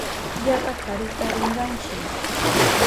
Yapa karuta rinkanchi.